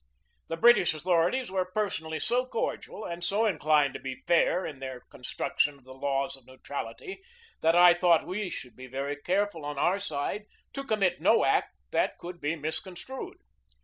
The British au thorities were personally so cordial and so inclined to AFTER THE BATTLE 241 be fair in their construction of the laws of neutrality that I thought we should be very careful, on our side, to commit no act that could be misconstrued.